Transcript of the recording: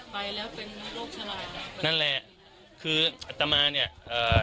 ไปแล้วเป็นโรคฉลาดนั่นแหละคืออัตมาเนี้ยเอ่อ